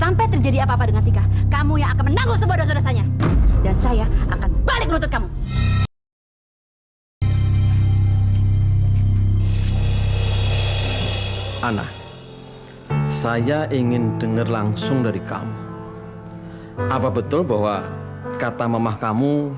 mama akan berjuang untuk keselamatan kamu